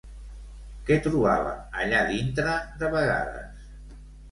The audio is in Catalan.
Què trobava allà dintre de vegades?